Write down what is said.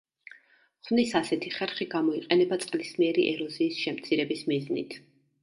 ხვნის ასეთი ხერხი გამოიყენება წყლისმიერი ეროზიის შემცირების მიზნით.